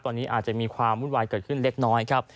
ตอนนี้อาจจะมีความวุ่นวายเกิดขึ้นเล็กน้อยครับ